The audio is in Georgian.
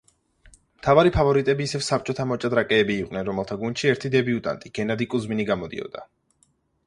მთავარი ფავორიტები ისევ საბჭოთა მოჭადრაკეები იყვნენ, რომელთა გუნდში ერთი დებიუტანტი, გენადი კუზმინი, გამოდიოდა.